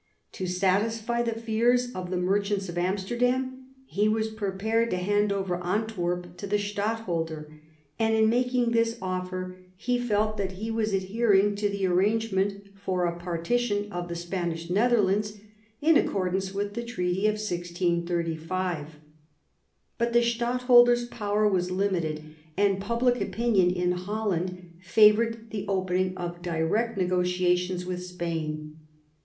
To satisfy the fears of the merchants of Amsterdam he was prepared to hand over Antwerp to the stadtholder ; and in making this offer he felt that he was adhering to 44 MAZARIN chap. the arrangement for a partition of the Spanish Nether lands, in accordance with the treaty of 1635. But the stadtholder's power was limited, and public opinion in Holland favoured the opening of direct negotiations with Spain.